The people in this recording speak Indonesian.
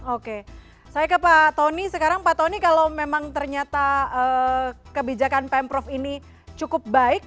oke saya ke pak tony sekarang pak tony kalau memang ternyata kebijakan pemprov ini cukup baik